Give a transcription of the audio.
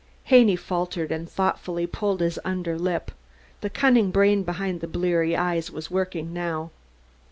Haney faltered and thoughtfully pulled his under lip. The cunning brain behind the bleary eyes was working now.